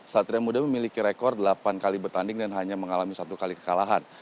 satria muda memiliki rekor delapan kali bertanding dan hanya mengalami satu kali kekalahan